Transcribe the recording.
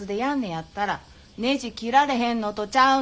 やったらねじ切られへんのとちゃうの。